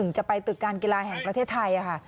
จะไปตึกการกีฬาแห่งประเทศไทยค่ะ